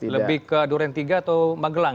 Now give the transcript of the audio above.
lebih ke duren tiga atau magelang